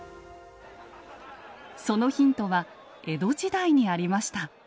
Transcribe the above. そのヒントは江戸時代にありました。